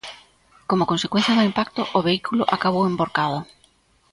Como consecuencia do impacto, o vehículo acabou envorcado.